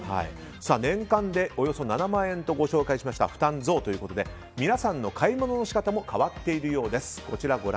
年間でおよそ７万円とご紹介した負担増ということで皆さんの買い物の仕方も変わっているようです。